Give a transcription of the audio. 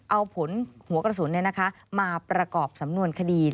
เอาผลหัวกระสุนมาประกอบสำนวนคดี